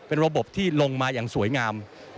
เป็นระบบที่ลงมาอย่างสวยงาม